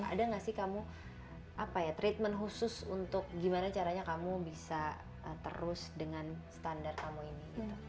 ada nggak sih kamu treatment khusus untuk gimana caranya kamu bisa terus dengan standar kamu ini